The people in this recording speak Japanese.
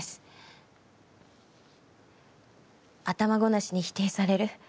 頭ごなしに否定される。